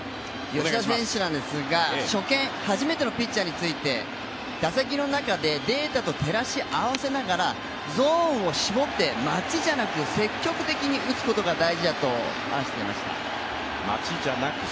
吉田選手なんですが、初めてのピッチャーについて、打席の中でデータと照らし合わせながらゾーンを絞って待ちじゃなく、積極的に打つことが大事だと話していました。